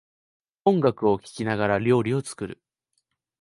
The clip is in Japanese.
音楽を聴きながら料理を作る